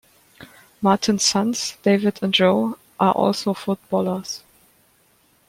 Martin's sons, David and Joe, are also footballers.